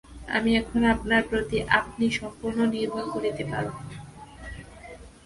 তুমি এখন আপনার প্রতি আপনি সম্পূর্ণ নির্ভর করিতে পার।